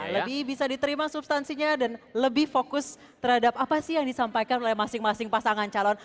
lebih bisa diterima substansinya dan lebih fokus terhadap apa sih yang disampaikan oleh masing masing pasangan calon